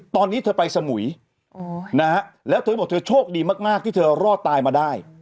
ตอนนี้เธอไปสมุยแล้วเธอบอกเธอโชคดีมากที่เธอรอดตายมาได้